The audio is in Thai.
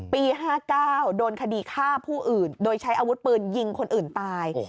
ปี๕๙โดนคดีฆ่าผู้อื่นโดยใช้อาวุธปืนยิงคนอื่นตาย